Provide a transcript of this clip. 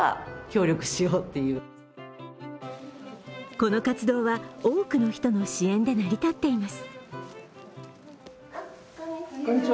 この活動は多くの人の支援で成り立っています。